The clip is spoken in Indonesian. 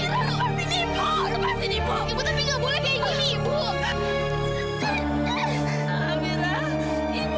lepasin ibu lepasin ibu